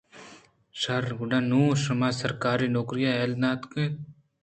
شرّگڈا نوں شما سرکار ءِ نوکری یل داتگ اِت ؟کاف ءَ جست کُت